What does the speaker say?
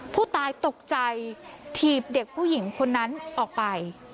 ผู้ตายตกใจถีบเด็กผู้หญิงคนนั้นออกไป